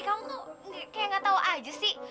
kamu kok kayak nggak tahu aja sih